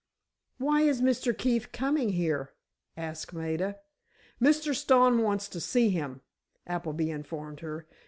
"Why is Mr. Keefe coming here?" asked Maida. "Mr. Stone wants to see him," Appleby informed her.